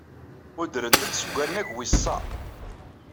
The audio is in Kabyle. Udrent-d seg wannag wis sa.